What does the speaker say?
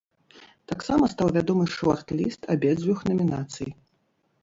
Таксама стаў вядомы шорт-ліст абедзвюх намінацый.